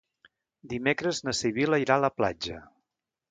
Dimecres na Sibil·la irà a la platja.